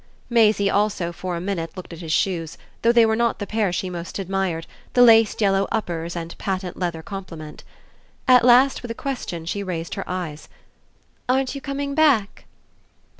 Maisie also for a minute looked at his shoes, though they were not the pair she most admired, the laced yellow "uppers" and patent leather complement. At last, with a question, she raised her eyes. "Aren't you coming back?"